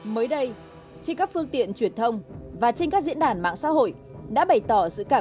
mới đây trên các phương tiện truyền thông và trên các diễn đàn mạng xã hội đã bày tỏ sự cảm